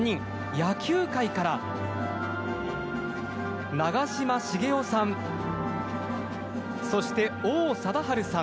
野球界から長嶋茂雄さん、そして王貞治さん